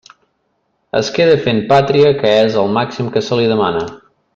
Es queda fent pàtria, que és el màxim que se li demana.